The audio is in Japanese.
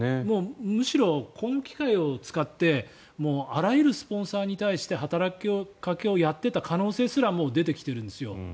むしろ、この機会を使ってあらゆるスポンサーに対して働きかけをやっていた可能性すらもう出てきているんですよ。